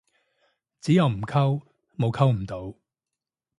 只有唔溝，冇溝唔到